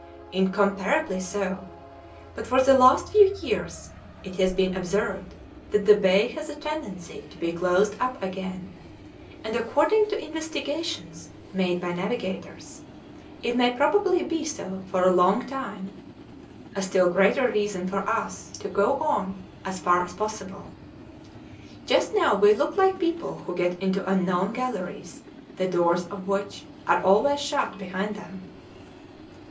"Incomparably so; but for the last few years it has been observed that the bay has a tendency to be closed up again, and according to investigations made by navigators, it may probably be so for a long time a still greater reason for us to go on as far as possible. Just now we look like people who get into unknown galleries, the doors of which are always shut behind them."